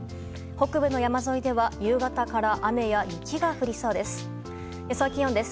北部の山沿いでは、夕方から雨や雪が降りそうです。